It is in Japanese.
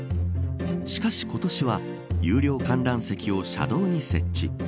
しかし今年は有料観覧席を車道に設置。